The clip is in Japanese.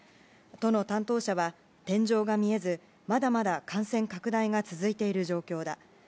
都の担当者は天井が見えず、まだまだ感染拡大が続いている状況だ。